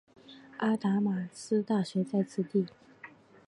阿达玛斯大学在此地。